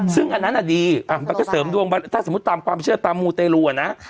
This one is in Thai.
ซึ่งอันนั้นดีมันก็เสริมดวงถ้าสมมุติตามความเชื่อตามมูเตรลูอ่ะนะ